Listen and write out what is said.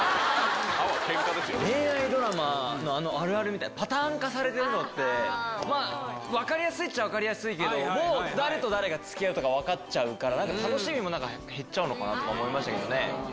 恋愛ドラマのあのあるあるみたいな、パターン化されてるのって、分かりやすいっちゃ分かりやすいけど、もう誰と誰がつきあうとか分かっちゃうから、なんか楽しみも減っちゃうのかなって思いましたけどね。